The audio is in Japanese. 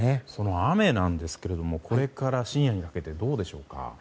雨なんですがこれから深夜にかけてどうでしょうか？